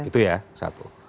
itu ya satu